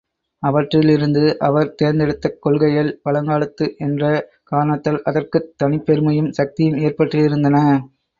அவற்றிலிருந்து அவர் தேர்ந்தெடுத்தக் கொள்கைகள் பழங்காலத்து என்ற காரணத்தால், அதற்குத் தனிப்பெருமையும், சக்தியும் ஏற்பட்டிருந்தன.